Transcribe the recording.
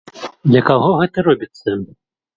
Для каго гэта робіцца?